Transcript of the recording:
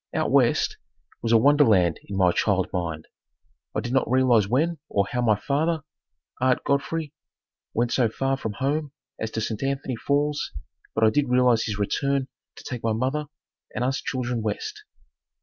"Out West" was a wonderland in my child mind. I did not realize when or how my father, Ard Godfrey, went so far from home as to St. Anthony Falls, but I did realize his return to take my mother and us children west.